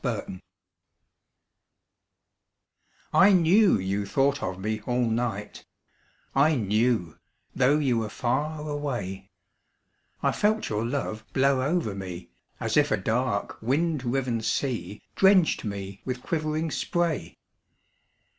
Spray I knew you thought of me all night, I knew, though you were far away; I felt your love blow over me As if a dark wind riven sea Drenched me with quivering spray.